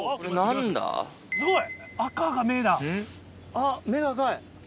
あっ目が赤い。